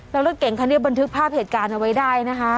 แล้วรถเก่งคันนี้บันทึกภาพเหตุการณ์เอาไว้ได้นะคะ